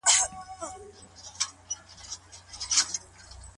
دا نظر ډېر ومنل سو.